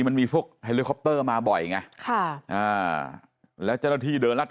มันมีพวกเฮลิคอปเตอร์มาบ่อยไงค่ะอ่าแล้วเจ้าหน้าที่เดินรัด